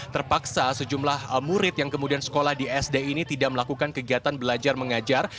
terpaksa sejumlah murid yang kemudian sekolah di sd ini tidak melakukan kegiatan belajar mengajar